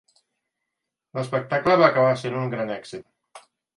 L"espectable va acabar sent un gran èxit.